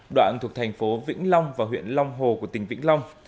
đoạn thuộc thành phố vĩnh long và huyện long hồ của tỉnh vĩnh long